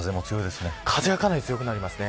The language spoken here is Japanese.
風がかなり強くなりますね。